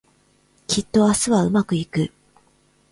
きっと明日はうまくいく